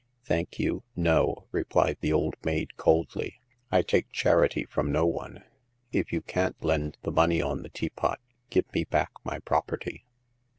Thank you, no," replied the old maid, coldly. " I take charity from no one. If you can't lend the money on the teapot, give me back my property."